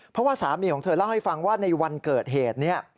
เพราะว่าสามีของเธอเล่าให้ฟังว่าในวันเกิดเหตุเนี่ย